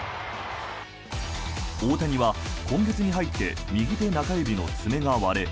大谷は今月に入って右手中指の爪が割れ